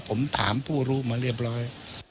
ผมถามผู้รู้มาเรียบร้อย